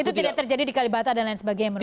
itu tidak terjadi di kalibata dan lain sebagainya